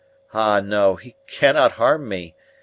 Ah, no, he cannot harm me!